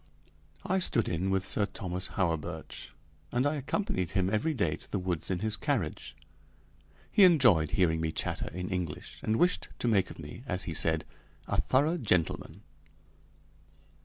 I stood in with Sir Thomas Hawerburch, and I accompanied him every day to the woods in his carriage. He enjoyed hearing me chatter in English, and wished to make of me, as he said, a thorough gentleman.